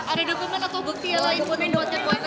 ada dokumen atau bukti ya lah